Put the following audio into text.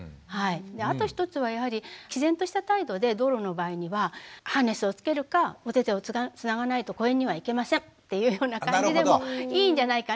あと一つはやはりきぜんとした態度で道路の場合には「ハーネスをつけるかおててをつながないと公園には行けません！」というような感じでもいいんじゃないかなと思います。